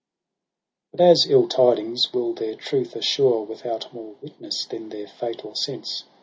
But as ill tidings will their truth assure Without more witness than their fatal sense.